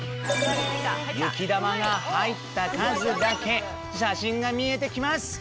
雪玉が入った数だけ写真が見えてきます。